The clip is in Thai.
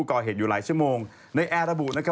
ก็เลยต้องออกมาเร่ร่อน